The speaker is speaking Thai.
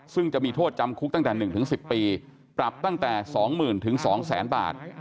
ซึ่งจะมีโทษจำคุกตั้งแต่๑๑๐ปีปรับตั้งแต่๒๐๐๐๒๐๐๐บาท